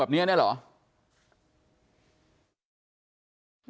แบบนี้เนี่ยเหรอ